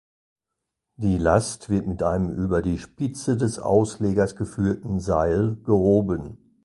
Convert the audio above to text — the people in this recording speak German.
Die Last wird mit einem über die Spitze des Auslegers geführten Seil gehoben.